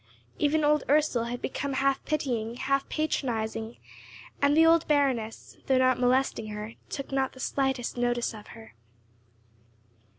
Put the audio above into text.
Even old Ursel had become half pitying, half patronizing; and the old Baroness, though not molesting her, took not the slightest notice of her.